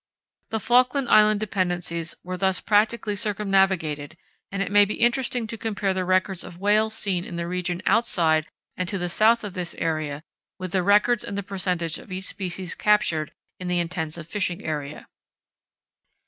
The Falkland Island Dependencies were thus practically circumnavigated, and it may be interesting to compare the records of whales seen in the region outside and to the south of this area with the records and the percentage of each species captured in the intensive fishing area.